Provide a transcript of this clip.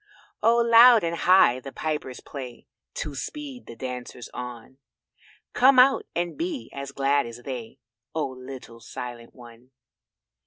Oh loud and high the pipers play To speed the dancers on; Come out and be as glad as they, Oh, little Silent one.